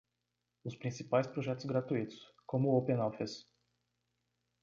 Os principais projetos gratuitos, como o OpenOffice.